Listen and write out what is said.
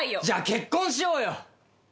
じゃあ結婚しようよ！